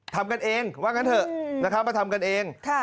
ทำกันเองว่างั้นเถอะนะครับมาทำกันเอง